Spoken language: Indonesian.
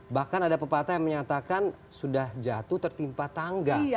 bahkan ada pepatah yang menyatakan sudah jatuh tertimpa tangga